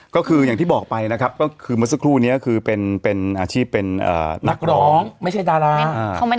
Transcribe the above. ก็คืออย่างที่บอกไปนะครับก็คือเมื่อสักครู่นี้คือเป็นอาชีพเป็นนักร้องไม่ใช่ดารา